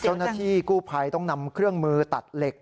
เจ้าหน้าที่กู้ภัยต้องนำเครื่องมือตัดเหล็ก